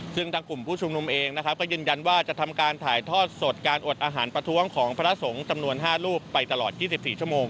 ซึ่งทางกลุ่มผู้ชุมนุมเองนะครับก็ยืนยันว่าจะทำการถ่ายทอดสดการอดอาหารประท้วงของพระสงฆ์จำนวน๕รูปไปตลอด๒๔ชั่วโมง